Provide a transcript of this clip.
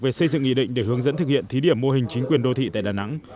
về xây dựng nghị định để hướng dẫn thực hiện thí điểm mô hình chính quyền đô thị tại đà nẵng